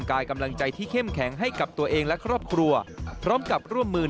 จะทำหน้าที่อย่างเต็มที่เพื่อประชาชนทุกคน